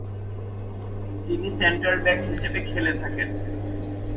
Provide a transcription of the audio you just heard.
তিনি "সেন্টার-ব্যাক" হিসেবে খেলে থাকেন।